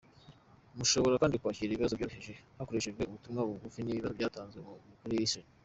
Mushobora kandi kwakira ibibazo byoherejwe hakoreshejwe ubutumwa bugufi n’ibisubizo byatanzwe kuri listen.